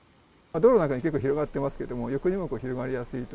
道路などにも結構広がってますけど、横にも広がりやすいと。